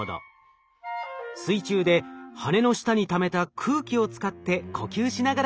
水中で羽の下にためた空気を使って呼吸しながら暮らしています。